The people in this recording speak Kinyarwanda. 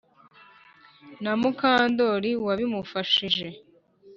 Na Mukandoli wabimufashije